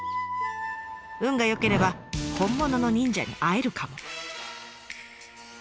運が良ければ本物の忍者に会えるかも。